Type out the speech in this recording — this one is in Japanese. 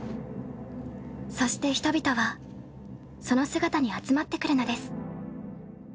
そして人々はその姿に集まってくるのです。